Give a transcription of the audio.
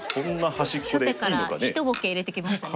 初手からひとボケ入れてきましたね。